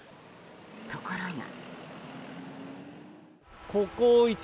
ところが。